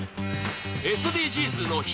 「ＳＤＧｓの日」